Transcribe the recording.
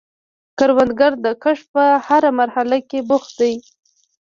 کروندګر د کښت په هره مرحله کې بوخت دی